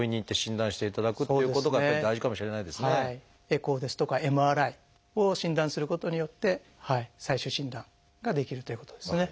エコーですとかＭＲＩを診断することによって最終診断ができるということですね。